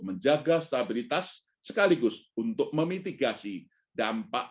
menjaga stabilitas sekaligus untuk memitigasi dan menjaga stabilitas ekonomi yang lebih tinggi